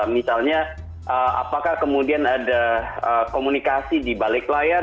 misalnya apakah kemudian ada komunikasi di balik layar